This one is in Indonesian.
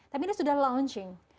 tapi ini sudah launching